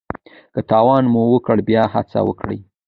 که تاوان مو وکړ بیا هڅه وکړئ.